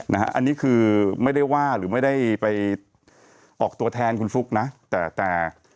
อันนี้คือไม่ได้ว่าหรือไม่ได้ไปออกตัวแทนคุณฟุ๊กนะแต่แต่